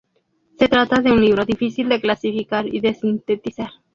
Se trata de un libro difícil de clasificar y de sintetizar.